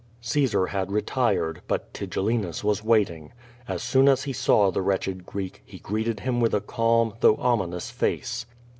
Caesar had retired, but Tigellinus was waiting. As soon as he saw the wretched Greek, he greeted him with a calm, though ominous face.